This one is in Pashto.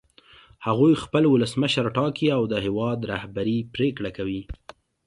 هغوی خپل ولسمشر ټاکي او د هېواد رهبري پرېکړه کوي.